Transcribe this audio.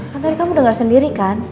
kan tadi kamu dengar sendiri kan